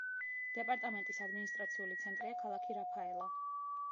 დეპარტამენტის ადმინისტრაციული ცენტრია ქალაქი რაფაელა.